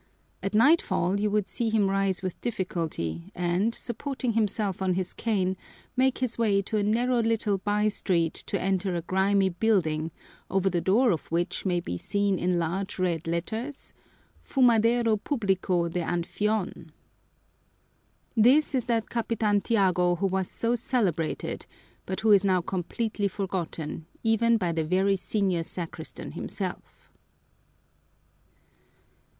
At nightfall you would see him rise with difficulty and, supporting himself on his cane, make his way to a narrow little by street to enter a grimy building over the door of which may be seen in large red letters: FUMADERO PUBLICO DE ANFION. This is that Capitan Tiago who was so celebrated, but who is now completely forgotten, even by the very senior sacristan himself.